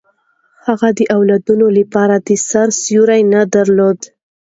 هغه د اولادونو لپاره د سر سیوری نه درلود.